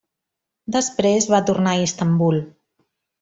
Després va tornar a Istanbul.